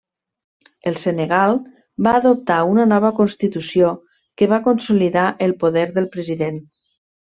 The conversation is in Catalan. El Senegal va adoptar una nova constitució que va consolidar el poder del president.